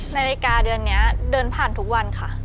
นาฬิกาเดือนนี้เดินผ่านทุกวันค่ะ